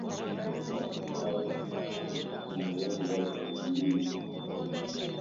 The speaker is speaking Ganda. Okwagala ebya mangu nayo ndwadde mbi nnyo.